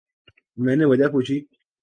میں نے وجہ پوچھی۔